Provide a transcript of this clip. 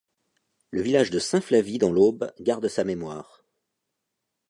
Le village de Saint-Flavy dans l'Aube garde sa mémoire.